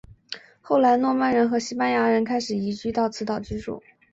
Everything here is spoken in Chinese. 后来诺曼人和西班牙人开始移到此岛居住。